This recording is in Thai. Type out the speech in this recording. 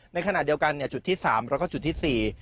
ในขณะเดียวกันจุดที่๓แล้วก็จุดที่๔